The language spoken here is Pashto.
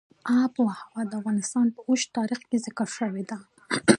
آب وهوا د افغانستان په اوږده تاریخ کې ذکر شوې ده.